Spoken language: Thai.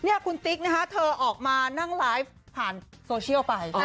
นี่คุณติ๊กนะคะเธอออกมานั่งไลฟ์ผ่านโซเชียลไป